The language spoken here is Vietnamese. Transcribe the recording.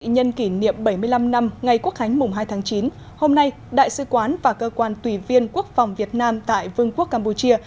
nhân kỷ niệm bảy mươi năm năm ngày quốc khánh mùng hai tháng chín hôm nay đại sứ quán và cơ quan tùy viên quốc phòng việt nam tại vương quốc campuchia